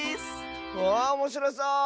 ああおもしろそう！